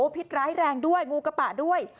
พิษร้ายแรงด้วยงูกระปะด้วย